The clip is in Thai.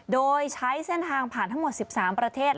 โดยใช้เส้นทางผ่านทั้งหมด๑๓ประเทศ